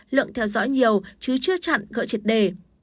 lượng theo dõi nhiều chứ chưa chặn gỡ triệt đề